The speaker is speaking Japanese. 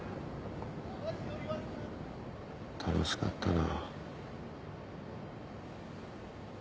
楽しかったな。